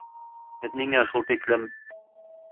Һеҙ ниңә шул тиклем...